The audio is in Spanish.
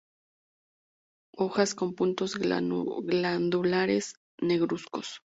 Hojas con puntos glandulares negruzcos.